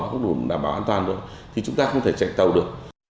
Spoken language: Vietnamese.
không đủ đảm bảo an toàn được thì chúng ta không thể chạy tàu được